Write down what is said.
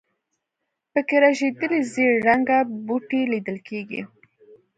په کې رژېدلي زېړ رنګه بوټي لیدل کېږي.